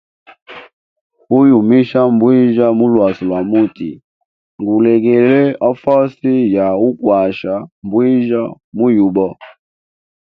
Uyumisha mbwijya mu lwasi lwa muti ngulegele a fasi ya ukwasha mbwijya mu yuba.